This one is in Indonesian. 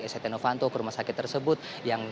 setia novanto ke rumah sakit tersebut yang